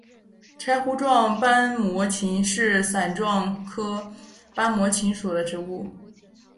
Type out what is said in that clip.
柴胡状斑膜芹是伞形科斑膜芹属的植物。